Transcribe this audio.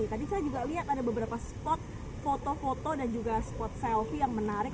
tadi saya juga lihat ada beberapa spot foto foto dan juga spot selfie yang menarik